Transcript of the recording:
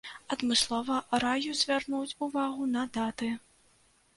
Адмыслова раю звярнуць увагу на даты.